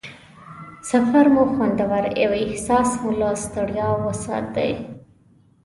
سفر مو خوندور او احساس مو له ستړیا وساتي.